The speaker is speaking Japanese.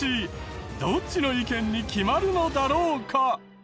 どっちの意見に決まるのだろうか？